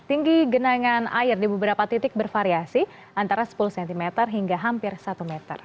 tinggi genangan air di beberapa titik bervariasi antara sepuluh cm hingga hampir satu meter